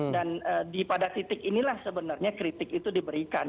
dan di pada titik inilah sebenarnya kritik itu diberikan